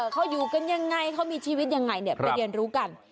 เขาอยู่กันยังไงเขามีชีวิตยังไงไปเรียนรู้กัน